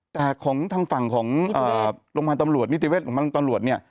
แต่ของทางฝั่งของโรงพยาบาลตำรวจนิติเวศน์